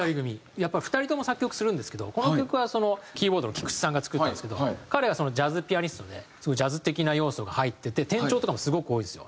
やっぱり２人とも作曲するんですけどこの曲はキーボードの菊池さんが作ったんですけど彼はジャズピアニストですごいジャズ的な要素が入ってて転調とかもすごく多いんですよ。